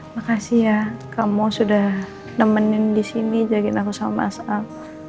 makasih ya kamu sudah nemenin disini jagain aku sama mas al